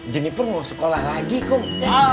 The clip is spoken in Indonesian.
jennifer mau sekolah lagi kum ceng